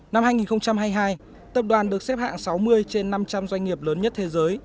năm hai nghìn hai mươi hai tập đoàn được xếp hạng sáu mươi trên năm trăm linh doanh nghiệp lớn nhất thế giới